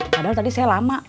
padahal tadi saya lama